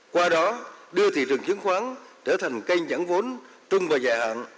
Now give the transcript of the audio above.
qua đó đưa thị trường chứng khoán trở thành kênh dẫn vốn trung và dài hạn